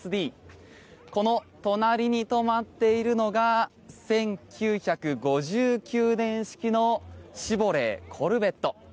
この隣に止まっているのが１９５９年式のシボレー・コルベット。